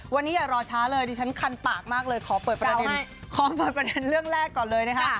วันนี้อย่ารอช้าเลยดิฉันคันปากมากเลยขอเปิดประเด็นขอเปิดประเด็นเรื่องแรกก่อนเลยนะคะ